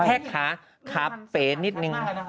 แพทย์ค้าขาบเฟสนิดนึง